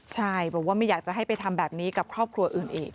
ใช่บอกว่าไม่อยากจะให้ไปทำแบบนี้กับครอบครัวอื่นอีก